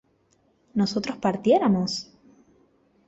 ¿nosotros partiéramos?